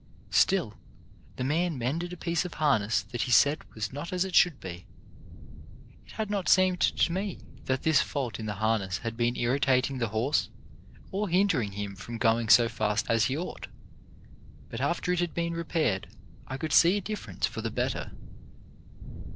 Still the man mended a piece of harness that he said was not as it should be. It had not seemed to me that this fault in the harness had been irritating the horse or hindering him from EACH ONE HIS PART 221 going so fast as he ought, but after it had been repaired I could see a difference for the better.